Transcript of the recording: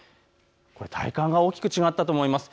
体感が大きく違ったと思います。